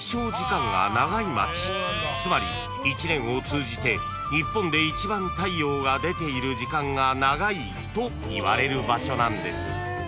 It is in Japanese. ［つまり１年を通じて日本で一番太陽が出ている時間が長いといわれる場所なんです］